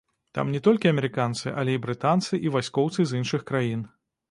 Там не толькі амерыканцы, але і брытанцы, і вайскоўцы з іншых краін.